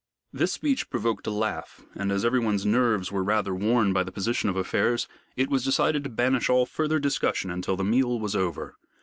This speech provoked a laugh, and as everyone's nerves were rather worn by the position of affairs, it was decided to banish all further discussion until the meal was over.